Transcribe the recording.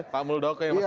pak muldoko ya maksudnya